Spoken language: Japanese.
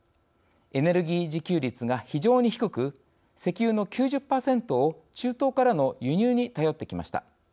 エネルギー自給率が非常に低く石油の９０％を中東からの輸入に頼ってきました。